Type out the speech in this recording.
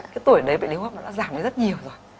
cái tuổi đấy bệnh lý hô hấp đã giảm rất nhiều rồi